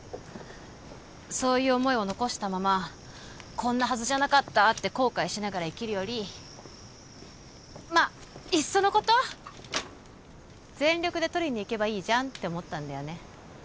そういう思いを残したままこんなはずじゃなかったって後悔しながら生きるよりまあいっそのこと全力で取りにいけばいいじゃんって思ったんだよね